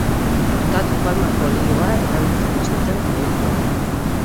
Hautatu palmako olioa erabiltzen ez duten produktuak.